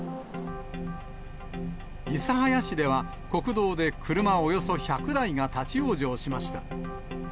諫早市では、国道で車およそ１００台が立往生しました。